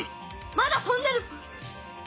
まだ飛んでる。